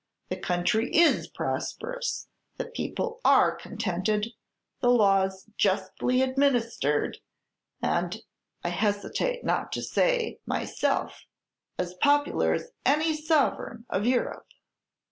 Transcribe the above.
The country is prosperous, the people are contented, the laws justly administered, and, I hesitate not to say, myself as popular as any sovereign of Europe."